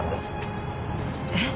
えっ？